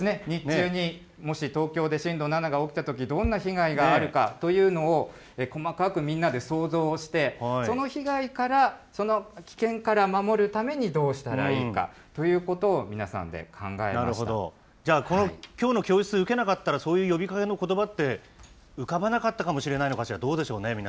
日中にもし東京で震度７が起きたとき、どんな被害があるかというのを、細かくみんなで想像して、その被害から、その危険から守るためにどうしたらいいのかということを皆さんでじゃあ、きょうの教室受けなかったらそういう呼びかけのことばって、浮かばなかったのかもしれないのかしら、どうでしょうね？